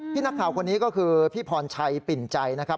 นักข่าวคนนี้ก็คือพี่พรชัยปิ่นใจนะครับ